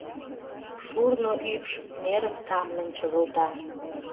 Шурно ӱпш нерым тамлын чыгылта.